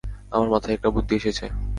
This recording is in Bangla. আমার মাথায় একটা বুদ্ধি এসেছে।